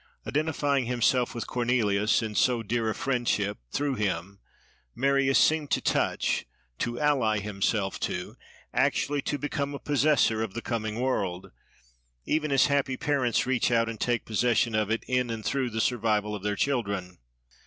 Identifying himself with Cornelius in so dear a friendship, through him, Marius seemed to touch, to ally himself to, actually to become a possessor of the coming world; even as happy parents reach out, and take possession of it, in and through the survival of their children.